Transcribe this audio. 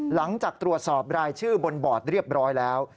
หลังจากตรวจสอบรายชื่อบนบอร์ดเรียบร้อยแล้ว